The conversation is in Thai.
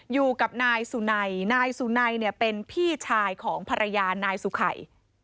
อยู่กับนายสุนัยนายสุนัยเนี่ยเป็นพี่ชายของภรรยานายสุขัย